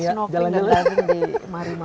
harus snorkeling dan diving di marimabung